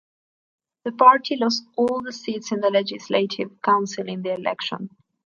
The party lost all the seats in the Legislative Council in the election.